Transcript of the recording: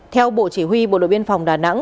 theo bộ chỉ huy bộ đội biên phòng đà nẵng